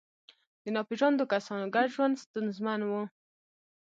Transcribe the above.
د ناپېژاندو کسانو ګډ ژوند ستونزمن و.